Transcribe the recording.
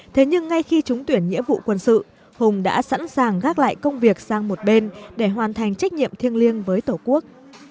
thế nhưng ngay khi trúng tuyển nghĩa vụ quân sự hùng đã sẵn sàng gác lại công việc sang một bên để hoàn thành trách nhiệm thiêng liêng với tổ quốc